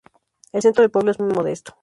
El centro del pueblo es muy modesto.